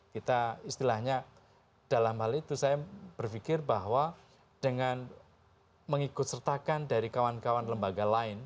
kita istilahnya dalam hal itu saya berpikir bahwa dengan mengikut sertakan dari kawan kawan lembaga lain